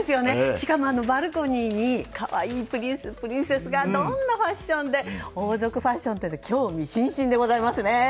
しかもバルコニーに可愛いプリンス、プリンセスがどんなファッションで王族ファッションには興味津々でございます。